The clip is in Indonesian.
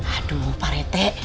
aduh pak rete